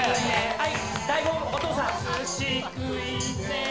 はい。